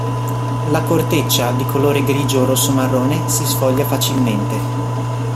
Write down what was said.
La corteccia, di colore grigio o rosso-marrone, si sfoglia facilmente.